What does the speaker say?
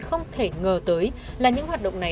không thể ngờ tới là những hoạt động này